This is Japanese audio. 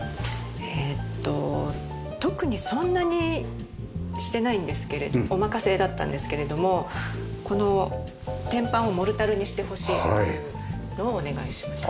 えーっと特にそんなにしてないんですけれどお任せだったんですけれどもこの天板をモルタルにしてほしいというのをお願いしました。